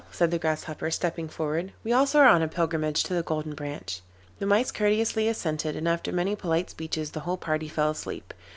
said the Grasshopper, stepping forward. 'We also are on a pilgrimage to the Golden Branch.' The Mice courteously assented, and after many polite speeches the whole party fell asleep.